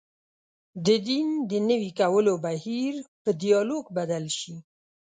د دین د نوي کولو بهیر په ډیالوګ بدل شي.